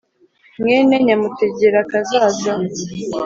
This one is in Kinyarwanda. mwene Nyamutegerakazaza